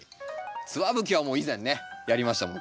ツワブキはもう以前ねやりましたもん